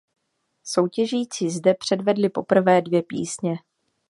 Soutěžící zde předvedli poprvé dvě písně.